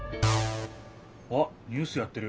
あっニュースやってる。